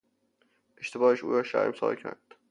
اشتباهش او را شرمسار کرد.